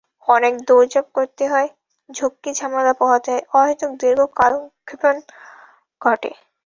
অনেক দৌড়ঝাঁপ করতে হয়, ঝক্কি-ঝামেলা পোহাতে হয়, অহেতুক দীর্ঘ কালক্ষেপণ ঘটে।